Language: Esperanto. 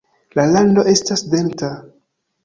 La rando estas denta.